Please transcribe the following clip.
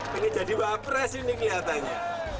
pengen jadi wapres ini kelihatannya